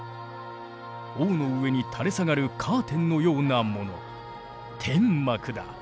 王の上に垂れ下がるカーテンのようなもの天幕だ。